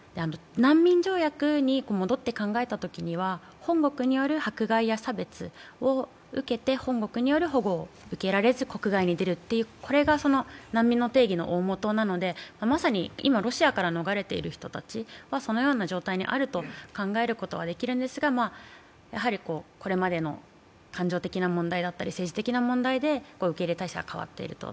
難民条約に戻って考えたときには、本国による迫害や差別を受けて、本国による保護を受けられずに国外に出るというのが難民の定義の大元なので、まさに今ロシアから逃れている人たちはそのような状態にあるということは言えると思うのですが、これまでの感情的な問題だったり政治的な問題で受け入れ態勢は変わっていると。